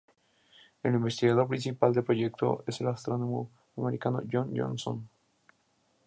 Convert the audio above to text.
El investigador principal del proyecto es el astrónomo americano John Johnson.